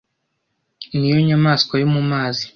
niyo nyamaswa yo mu mazi